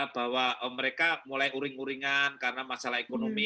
bahwa mereka mulai uring uringan karena masalah ekonomi